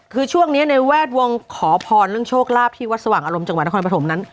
คือช่วงนี้ในแวดวงขอพรเรื่องโชคลาภที่วัดสว่างอารมณ์จังหวัดนครปฐมนั้น